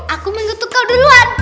aku mengutuk kau duluan